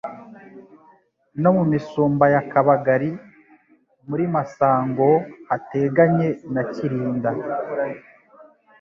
No mu Misumba ya Kabagali muri Masangohateganye na Kirinda